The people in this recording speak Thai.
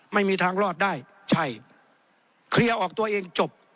ไม่มีทางรอดได้ใช่เคลียร์ออกตัวเองจบ